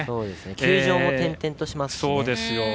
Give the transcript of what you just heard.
球場も転々としますしね。